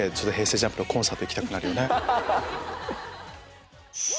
ＪＵＭＰのコンサート行きたくなるよね。